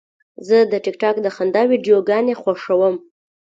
زه د ټک ټاک د خندا ویډیوګانې خوښوم.